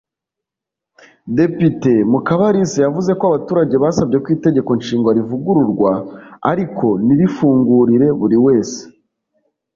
Depite Mukabalisa yavuze ko abaturage basabye ko Itegeko Nshinga rivugururwa ariko ntirifungurire buri wese